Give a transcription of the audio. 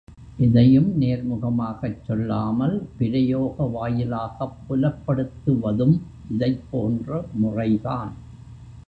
எதையும் நேர்முகமாகச் சொல்லாமல் பிரயோக வாயிலாகப் புலப்படுத் துவதும் இதைப் போன்ற முறைதான்.